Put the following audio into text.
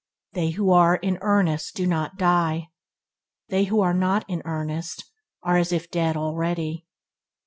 They who are in earnest do not die; they who are not in earnest are as if dead already".